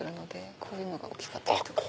こういうのが大きかったりとか。